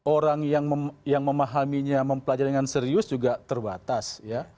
orang yang memahaminya mempelajari dengan serius juga terbatas ya